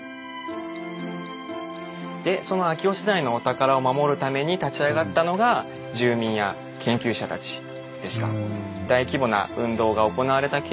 その秋吉台のお宝を守るために立ち上がったのが住民や研究者たちでした。